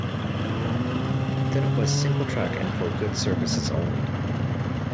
Then it was single track and for goods services only.